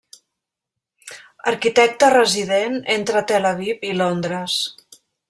Arquitecte resident entre Tel Aviv i Londres.